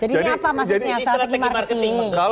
jadi ini apa maksudnya strategi marketing